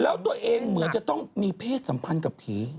แล้วตัวเองเหมือนจะต้องมีเพศสัมพันธ์กับผี